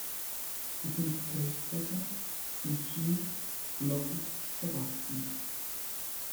Die fünf Kelchblätter sind schief, glockig verwachsen.